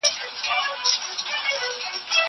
هغه وويل چي قلم ضروري دی!